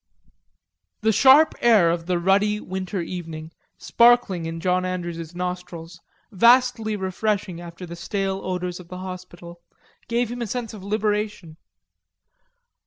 The sharp air of the ruddy winter evening, sparkling in John Andrews's nostrils, vastly refreshing after the stale odors of the hospital, gave him a sense of liberation.